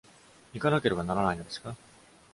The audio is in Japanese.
行かなければならないのですか？